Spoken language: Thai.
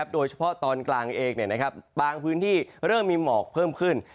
โดยเฉพาะตอนกลางเองบางพื้นที่เริ่มมีหมอกเพิ่มขึ้น